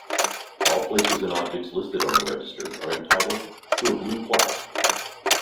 All places and objects listed on the register are entitled to a Blue plaque.